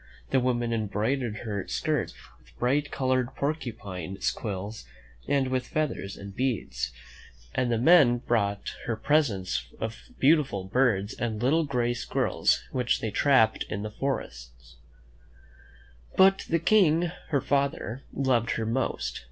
The women embroidered her skirts with bright colored porcupine quills, and with feathers and beads, and the men brought her presents of beautiful birds and little gray squir rels which they trapped in the forest. But the King, her father, loved her most.